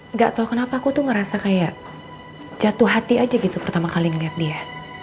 nggak tahu kenapa aku tuh ngerasa kayak jatuh hati aja gitu pertama kali ngeliat dia